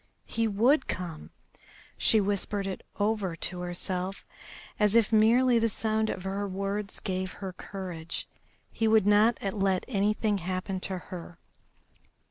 He would come! She whispered it over to herself as if merely the sound of the words gave her courage. He would not let anything happen to her.